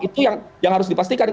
itu yang harus dipastikan